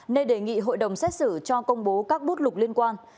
nên đề nghị hội đồng xét xử cho công bố các bút lục liên quan